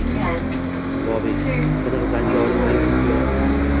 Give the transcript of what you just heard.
Moviy, tiniq zangorrang quyar